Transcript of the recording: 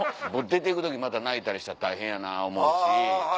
出て行く時また泣いたりしたら大変やな思うし。